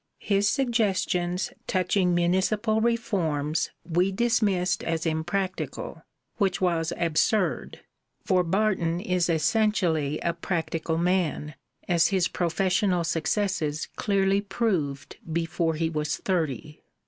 His suggestions touching municipal reforms we dismissed as impractical, which was absurd, for Barton is essentially a practical man, as his professional successes clearly proved before he was thirty.